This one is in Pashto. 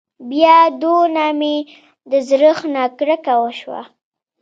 بيا دونه مې د زړښت نه کرکه وشوه.